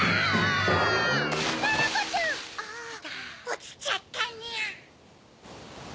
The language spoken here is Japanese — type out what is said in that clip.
おちちゃったにゃ。